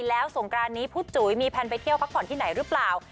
แล้วสงกรานนี้พุทธจุ๋ยมีแพลนไปเที่ยวพักผ่อนที่ไหนหรือเปล่า